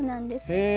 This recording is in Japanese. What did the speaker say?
へえ。